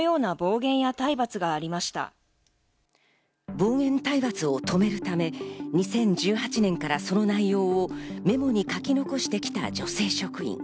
暴言、体罰を止めるため、２０１８年からその内容をメモに書き残してきた女性職員。